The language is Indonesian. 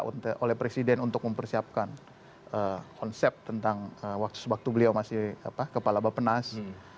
diminta oleh presiden untuk mempersiapkan konsep tentang waktu waktu beliau masih kepala bapak penas